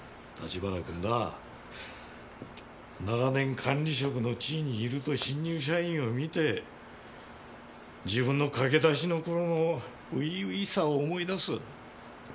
君なぁ長年管理職の地位にいると新入社員を見て自分の駆け出しの頃の初々しさを思い出す。